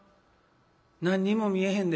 何にも見えへんで」。